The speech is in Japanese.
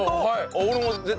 俺も絶対。